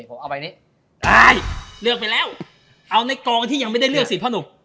อ่าเอาใบนี้อ่าเลือกไปแล้วเอาในกองที่ยังไม่ได้เลือกสิเพราะหนู